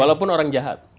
walaupun orang jahat